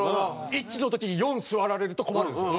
１の時に４座られると困るんですよ。